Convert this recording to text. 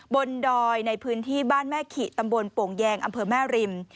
ดอยในพื้นที่บ้านแม่ขิตำบลโป่งแยงอำเภอแม่ริม